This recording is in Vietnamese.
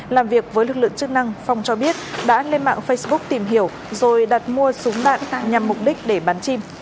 làm việc với lực lượng chức năng phong cho biết đã lên mạng facebook tìm hiểu rồi đặt mua súng đạn nhằm mục đích để bắn chim